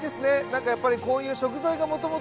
なんかやっぱりこういう。